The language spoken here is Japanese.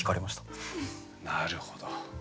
なるほど。